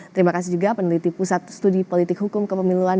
terima kasih juga peneliti pusat studi politik hukum kepemiluan